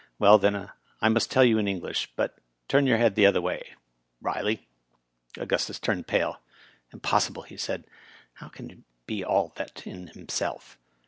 "Well, then, I must tell you in English, but turn your head the other way. Riley ...." Augustus turned pale. " Impossible I " he said. " How can he be all that in himself?"